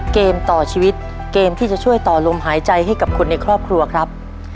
เกมต่อชีวิตเกมที่จะช่วยต่อลมหายใจให้กับคนในครอบครัวครับ